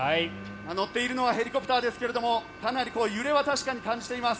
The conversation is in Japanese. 乗っているのはヘリコプターですが揺れは確かに感じています。